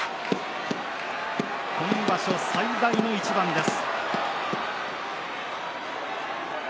今場所最大の一番です。